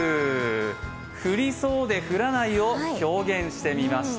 降りそうで降らないを表現してみました。